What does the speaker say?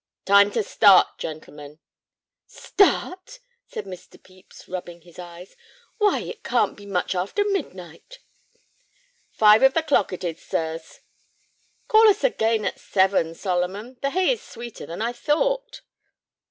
"Time to start, gentlemen." "Start!" said Mr. Pepys, rubbing his eyes, "why, it can't be much after midnight!" "Five of the clock it is, sirs." "Call us again at seven, Solomon; the hay is sweeter than I thought."